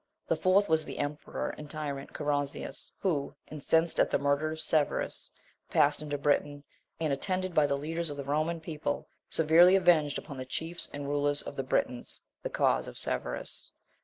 The fourth was the emperor and tyrant, Carausius, who, incensed at the murder of Severus, passed into Britain, and attended by the leaders of the Roman people, severely avenged upon the chiefs and rulers of the Britons, the cause of Severus.